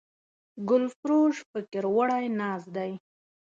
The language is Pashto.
ګلفروش فکر وړی ناست دی